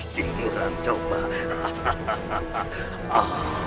cik nurang coba